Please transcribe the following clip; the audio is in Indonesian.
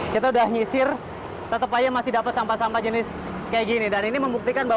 kita udah nyisir tetap aja masih dapat sampah sampah jenis kayak gini dan ini membuktikan bahwa